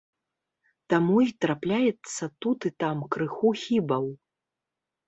Таму й трапляецца тут і там крыху хібаў.